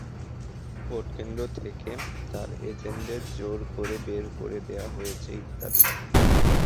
ভোটকেন্দ্র থেকে তাঁর এজেন্টদের জোর করে বের করে দেওয়া হয়েছে ইত্যাদি।